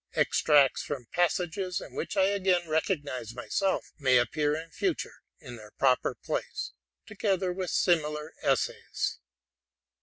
Extracts from passages, in which I again recognize myself, may appear in future in their proper place, together with similar essays.